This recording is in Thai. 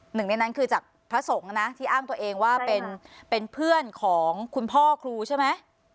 หนึ่งในนั้นคือจากพระสงฆ์นะที่อ้างตัวเองว่าเป็นเพื่อนของคุณพ่อครูใช่ไหม